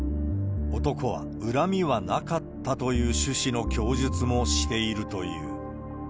男は恨みはなかったという趣旨の供述もしているという。